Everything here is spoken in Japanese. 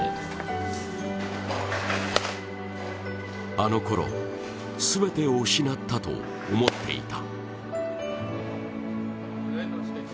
あのころ、全てを失ったと思っていた。